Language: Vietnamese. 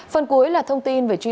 phần cuối là thông tin về truy tế